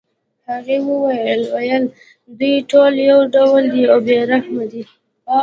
هغې ویل دوی ټول یو ډول دي او بې رحمه دي